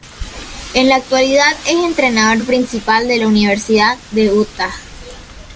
En la actualidad es entrenador principal de la Universidad de Utah.